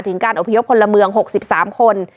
ถึงการอพยพคนละเมือง๖๓คน